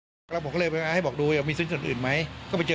พอมาสำรวจรอบก็เลยรีบแจ้งเจ้าหน้าที่ให้มาตรวจสอบ